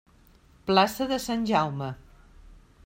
Plaça de Sant Jaume.